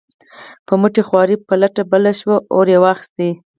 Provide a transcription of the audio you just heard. په مټې خوارۍ پلته بله شوه او اور یې واخیست.